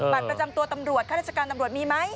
บัตรประจำตัวตำรวจข้าราชการตำรวจมีไหม